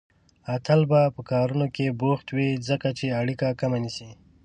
اتل به په کارونو کې بوخت وي، ځکه چې اړيکه کمه نيسي